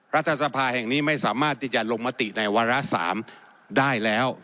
รัฐสภาแห่งนี้ไม่สามารถที่จะลงมติในวาระ๓ได้แล้ว